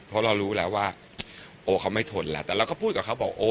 เพราะเรารู้แล้วว่าโอเขาไม่ทนแล้วแต่เราก็พูดกับเขาบอกโอ